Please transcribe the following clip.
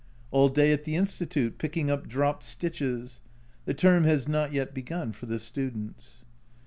All day at the Institute, picking up dropped stitches. The term has not yet begun for the students.